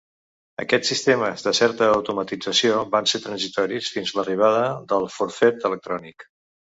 Aquests sistemes de certa automatització van ser transitoris, fins a l'arribada del forfet electrònic.